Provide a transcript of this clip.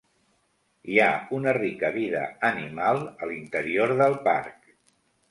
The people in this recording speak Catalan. Hi ha una rica vida animal a l'interior del parc.